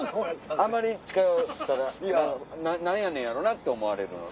あんまり近寄ったら何やのやろなって思われるので。